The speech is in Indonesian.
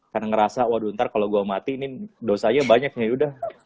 karena ngerasa waduh ntar kalo gua mati ini dosanya banyak ya udah